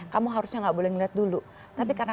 kamu harusnya nggak boleh ngelihat dulu tapi karena